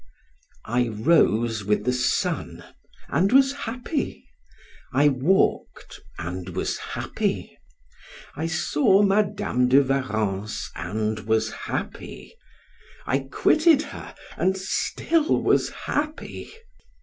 I rose with the sun, and was happy; I walked, and was happy; I saw Madam de Warrens, and was happy; I quitted her, and still was happy!